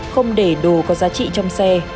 không để đồ có giá trị trong xe